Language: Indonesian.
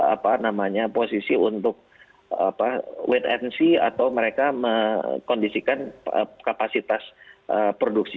apa namanya posisi untuk wait and see atau mereka mengkondisikan kapasitas produksi